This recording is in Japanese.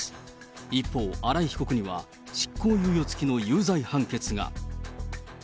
一方、新井被告には執行猶予付きの有罪判決が。